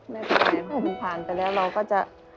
ไม่เป็นไรพอมันผ่านไปแล้วเราก็จะ